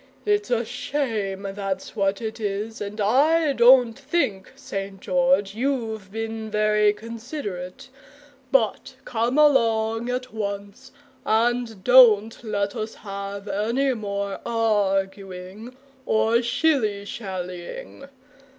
It's a shame, that's what it is, and I don't think, St. George, you've been very considerate but come along at once, and don't let us have any more arguing or shilly shallying.